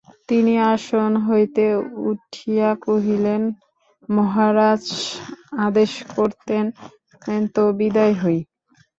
তিনি আসন হইতে উঠিয়া কহিলেন, মহারাজ, আদেশ করেন তো বিদায় হই।